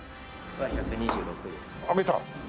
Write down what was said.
１２６です。